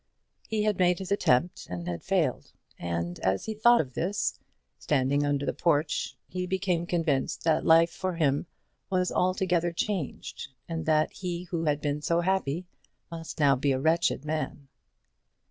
He had made his attempt and had failed; and, as he thought of this, standing under the porch, he became convinced that life for him was altogether changed, and that he who had been so happy must now be a wretched man.